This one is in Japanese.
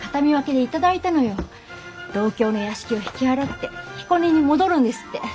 東京の屋敷を引き払って彦根に戻るんですって。